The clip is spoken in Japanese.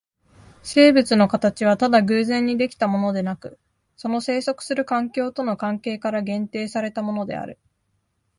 生物の形はただ偶然に出来たものでなく、その棲息する環境との関係から限定されたものである。